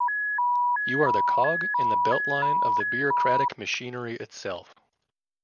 You are the cog and the beltline of the bureaucratic machinery itself.